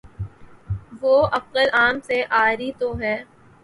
وہ عقل عام سے عاری تو ہے۔